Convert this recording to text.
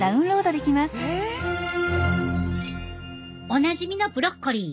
おなじみのブロッコリー。